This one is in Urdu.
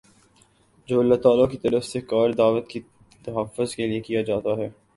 جو اللہ تعالیٰ کی طرف سے کارِ دعوت کے تحفظ کے لیے کیا جاتا ہے